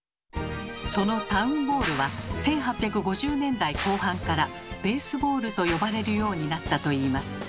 そのタウン・ボールは１８５０年代後半から「ベースボール」と呼ばれるようになったといいます。